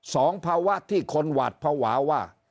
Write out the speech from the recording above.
สองภาวะที่คนหวาดภาวะว่า